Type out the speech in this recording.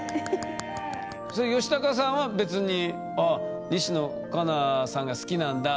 ヨシタカさんは別にあ西野カナさんが好きなんだってふうに思ってた？